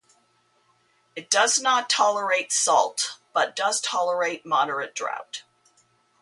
It does not tolerate salt but does tolerate moderate drought.